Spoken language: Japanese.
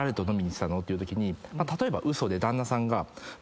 例えばウソで旦那さんが。